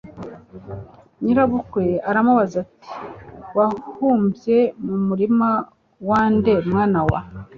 nyirabukwe aramubaza ati wahumbye mu murima wa nde, mwana wa